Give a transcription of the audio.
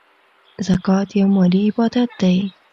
زکات یو مالی عبادت دی .